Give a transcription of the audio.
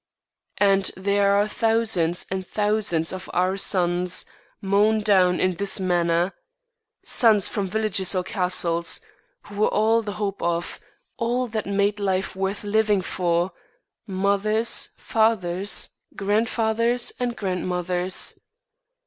And there are thousands and thousands of our sons mown down in this manner sons from villages or castles, who were all the hope of, all that made life worth living for, mothers, fathers, grandfathers, and grandmothers.